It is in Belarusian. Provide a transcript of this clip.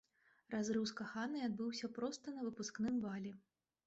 Разрыў з каханай адбыўся проста на выпускным балі.